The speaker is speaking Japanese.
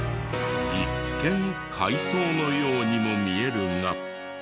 一見海藻のようにも見えるが。